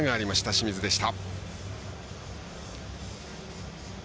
清水でした。